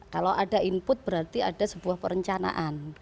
kalau ada input berarti ada sebuah perencanaan